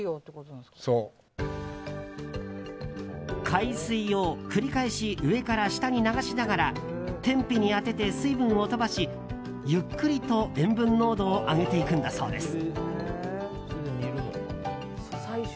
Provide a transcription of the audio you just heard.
海水を繰り返し上から下に流しながら天日に当てて水分を飛ばしゆっくりと塩分濃度を上げていくんだそうです。